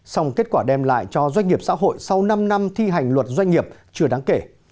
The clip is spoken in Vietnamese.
song kết quả đem lại cho doanh nghiệp xã hội sau năm năm thi hành luật doanh nghiệp chưa đáng kể